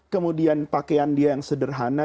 kemudian pakaian dia yang sederhana